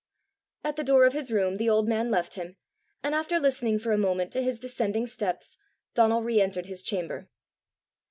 At the door of his room the old man left him, and after listening for a moment to his descending steps, Donal re entered his chamber.